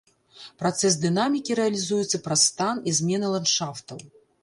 Працэс дынамікі рэалізуецца праз стан і змены ландшафтаў.